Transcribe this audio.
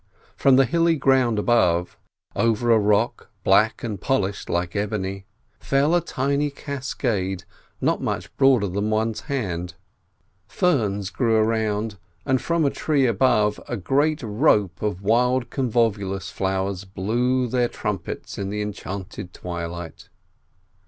From the hilly ground above, over a rock black and polished like ebony, fell a tiny cascade not much broader than one's hand; ferns grew around and from a tree above where a great rope of wild convolvulus flowers blew their trumpets in the enchanted twilight.